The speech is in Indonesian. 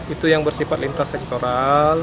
itu yang bersifat lintas sektoral